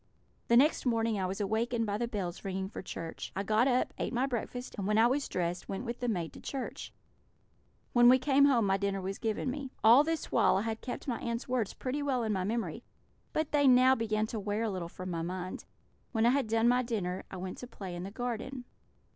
"The next morning I was awakened by the bells ringing for church. I got up, ate my breakfast, and when I was dressed went with the maid to church. When we came home my dinner was given me. All this while I had kept my aunts' words pretty well in my memory, but they now began to wear a little from my mind. When I had done my dinner I went to play in the garden.